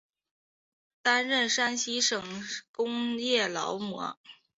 担任山西省工业劳模。